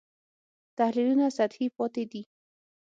تحلیلونه سطحي پاتې دي.